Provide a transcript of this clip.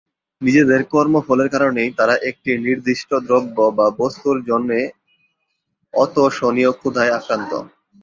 নিজেদের কর্ম ফলের কারণেই তারা একটি নির্দিষ্ট দ্রব্য বা বস্তুর জন্যে অতোষণীয় ক্ষুধায় আক্রান্ত।